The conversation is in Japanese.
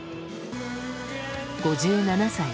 ５７歳。